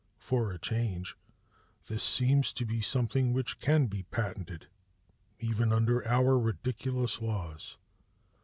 "For a change, this seems to be something which can be patented, even under our ridiculous laws.